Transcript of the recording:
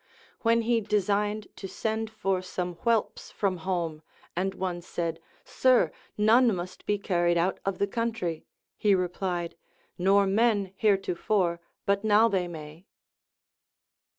AVhen he designed to send for some whelps from home, and one said, Sir, none 398 LACONIC APOPHTHEGMS. must be carried out of the country, he replied, Nor men heretofore, but now they may.